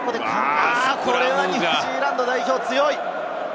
これはニュージーランド代表、強い！